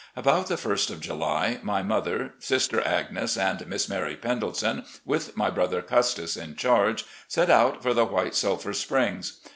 About the first of July, my mother, sister Agnes and Miss Mary Pendleton, with my brother Custis in charge, set out for the White Sulphur Springs.